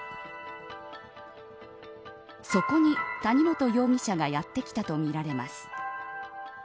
そこに、谷本容疑者がやって来たとみられます。